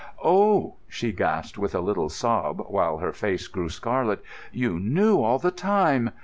"Oh!" she gasped with a little sob, while her face grew scarlet. "You knew all the time?